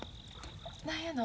何やの？